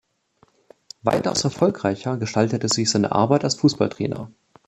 Weitaus erfolgreicher gestaltete sich seine Arbeit als Fußballtrainer.